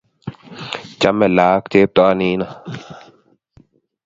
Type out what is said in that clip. chomei laak chepto nino